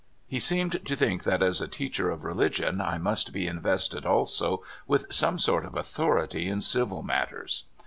" He seemed to think that as a teacher of religion I must be invested also with some sort of authority in civil matters.